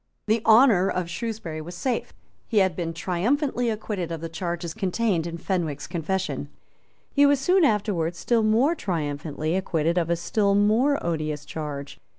The honour of Shrewsbury was safe. He had been triumphantly acquitted of the charges contained in Fenwick's confession. He was soon afterwards still more triumphantly acquitted of a still more odious charge.